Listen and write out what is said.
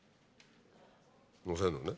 乗せるのね。